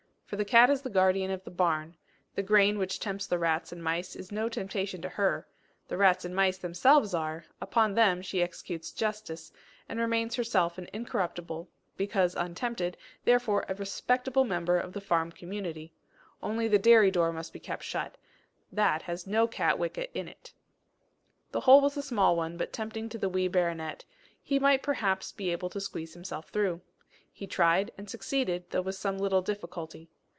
For the cat is the guardian of the barn; the grain which tempts the rats and mice is no temptation to her; the rats and mice themselves are; upon them she executes justice, and remains herself an incorruptible, because untempted, therefore a respectable member of the farm community only the dairy door must be kept shut; that has no cat wicket in it. The hole was a small one, but tempting to the wee baronet; he might perhaps be able to squeeze himself through. He tried and succeeded, though with some little difficulty.